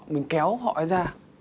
mình kéo họ ra